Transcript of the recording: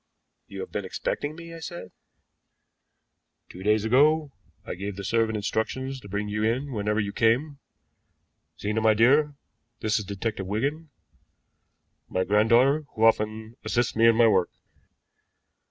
"You had been expecting me?" I said. "Two days ago I gave the servant instructions to bring you in whenever you came. Zena, my dear, this is Detective Wigan my granddaughter who often assists me in my work."